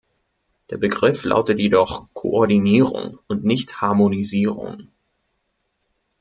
Der Begriff lautet jedoch "Koordinierung" und nicht "Harmonisierung" .